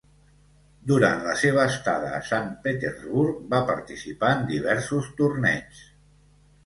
Durant la seva estada a Sant Petersburg, va participar en diversos torneigs.